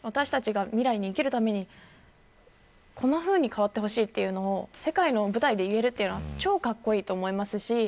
今、未来に生きるためにこんなふうに変わってほしいというのを世界の舞台で言えるのは超かっこいいと思います。